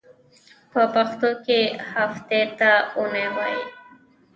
په پښتو کې هفتې ته اونۍ وایی.